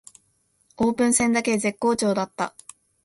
オープン戦だけ絶好調だった